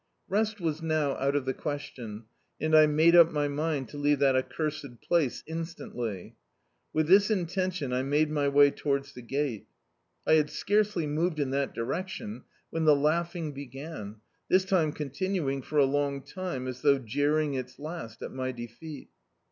Rest was now out of the questicn, and I made up my mind to leave that accursed place instantly. With this intention I made my way towards the gate. I had scarcely moved in that direction, when the laugjiing began, this time continuing for a Iraig time, as thou^ jeering its last at my defeat.